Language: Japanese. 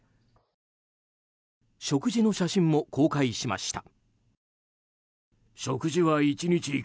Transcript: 食事の写真も公開しました。